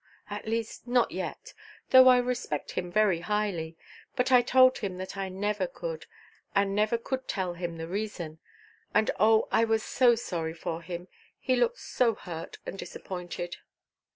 At least, not yet, though I respect him very highly. But I told him that I never could, and never could tell him the reason. And oh, I was so sorry for him—he looked so hurt and disappointed."